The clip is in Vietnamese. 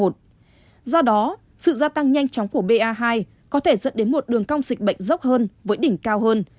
do đó sự gia tăng nhanh chóng của ba có thể dẫn đến một đường cong dịch bệnh dốc hơn với đỉnh cao hơn